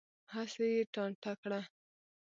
هسې یې ټانټه کړه.